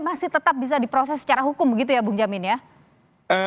masih tetap bisa diproses secara hukum begitu ya bung jamin ya